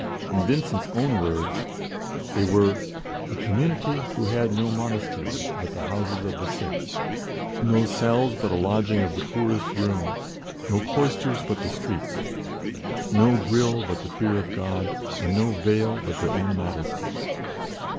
In Vincent's own words, they were "a community who had no monastery but the houses of the sick, no cells but a lodging of the poorest room, no cloisters but the streets, no grille but the fear of God, and no veil but their own modesty."